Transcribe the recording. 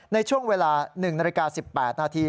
ในช่วงเวลา๑นาฬิกา๑๘นาที